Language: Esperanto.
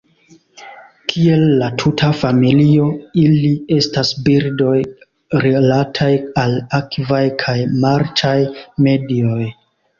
Kiel la tuta familio, ili estas birdoj rilataj al akvaj kaj marĉaj medioj.